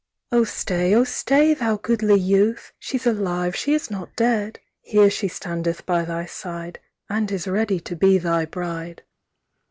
'—XII'Oh stay, O stay, thou goodly youth! She's alive, she is not dead; Here she standeth by thy side, And is ready to be thy bride.